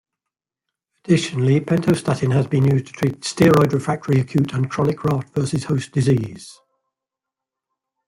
Additionally, pentostatin has been used to treat steroid-refractory acute and chronic graft-versus-host disease.